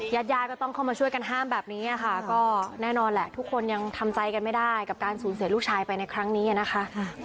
ญาติญาติก็ต้องเข้ามาช่วยกันห้ามแบบนี้ค่ะก็แน่นอนแหละทุกคนยังทำใจกันไม่ได้กับการสูญเสียลูกชายไปในครั้งนี้นะคะ